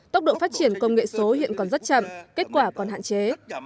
tốc độ phát triển công nghệ số hiện còn rất chậm kết quả còn hạn chế